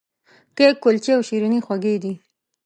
کیک، کلچې او شیریني خوږې دي.